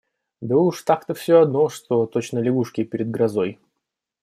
Да уж так-то всё одно, что точно лягушки перед грозой.